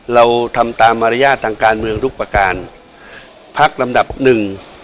เราทำตามมารยาททางการเมืองทุกประการพักลำดับหนึ่ง